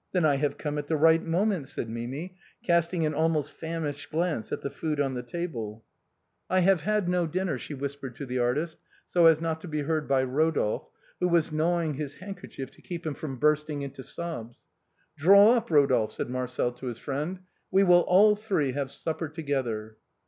" Then I have come at the right moment," said Mimi, easting an almost famished glance at the food on the table. 326 THE BOHEMIANS OF THE LATIN QUARTER. " I have had no dinner," she whispered to the artist, so as not to be heard by Eodolphe, who was gnawing his hand kerchief to keep him from bursting into sobs. " Draw up, Rodolphe," said Marcel to his friend, " we will all three have supper together."